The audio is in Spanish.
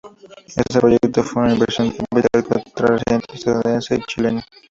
Este proyecto fue una inversión de capital costarricense, estadounidense y Chileno.,